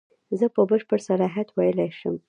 زه په بشپړ صلاحیت ویلای شم.